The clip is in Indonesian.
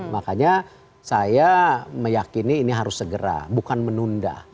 makanya saya meyakini ini harus segera bukan menunda